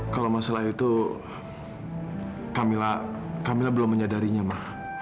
kalau masalah itu kamilah belum menyadarinya ma